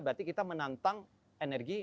berarti kita menantang energi